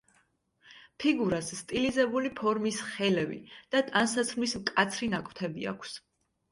ფიგურას სტილიზებული ფორმის ხელები და ტანსაცმლის მკაცრი ნაკვთები აქვს.